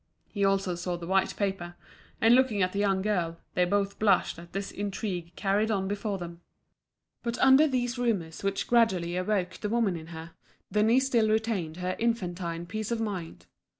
He also saw the white paper; and looking at the young girl, they both blushed at this intrigue carried on before them. But under these rumours which gradually awoke the woman in her, Denise still retained her infantine peace of mind.